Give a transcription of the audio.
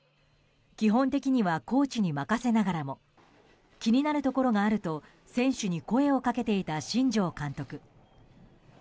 基本的にはコーチに任せながらも気になるところがあると選手に声をかけていた新庄監督。